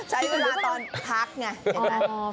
ใช้เวลาตอนพักไง